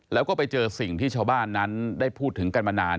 แล้วก็ไปเจอสิ่งที่ชาวบ้านนั้นได้พูดถึงกันมานาน